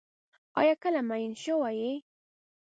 آیا کله مئین شوی یې؟